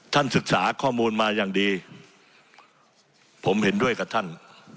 ศึกษาข้อมูลมาอย่างดีผมเห็นด้วยกับท่าน